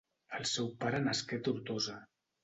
El seu pare nasqué a Tortosa.